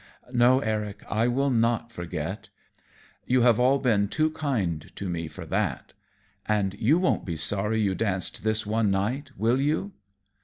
"No, Eric, I will not forget. You have all been too kind to me for that. And you won't be sorry you danced this one night, will you?"